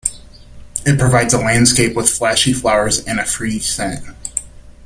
It provides a landscape with flashy flowers and a fruity scent.